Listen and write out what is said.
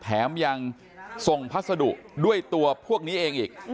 แถมยังส่งพัสดุด้วยตัวพวกนี้เองอีก